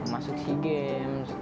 masuk sea games